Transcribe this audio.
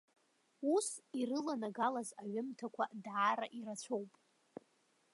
Ус ирыланагалаз аҩымҭақәа даара ирацәоуп.